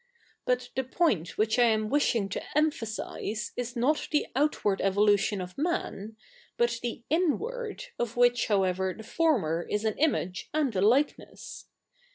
But the point which I ayn wishing to emphasise is ?iot t/ie outward evolu tion of man, but the i?iward, of which, however, the former is an iffiage a?id a like?iess.